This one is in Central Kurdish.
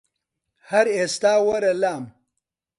هەر ئیستا وەرە لام